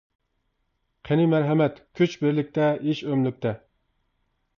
قېنى مەرھەمەت، كۈچ بىرلىكتە، ئىش ئۆملۈكتە.